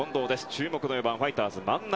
注目の４番ファイターズの万波。